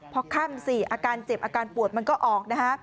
พอค่ำสิอาการเจ็บอาการปวดมันก็ออกนะฮะ